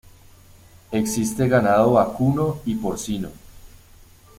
Existe ganado vacuno y porcino.